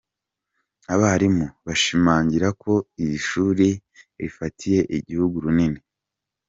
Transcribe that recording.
Abarimu bashimangira ko iri shuri rifatiye igihugu runini.